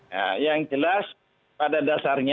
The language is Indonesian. nah yang jelas pada dasarnya